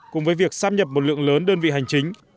cùng với việc sắp nhập một lượng lớn đơn vị hành chính